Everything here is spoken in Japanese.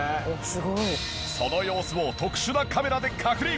その様子を特殊なカメラで確認。